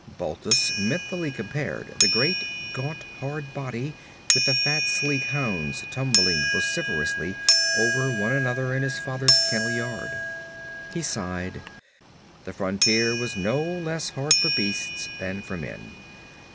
Balthus mentally compared the great gaunt hard body with the fat sleek hounds tumbling vociferously over one another in his father's kennel yard. He sighed. The frontier was no less hard for beasts than for men.